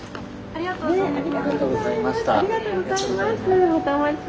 ありがとうございます。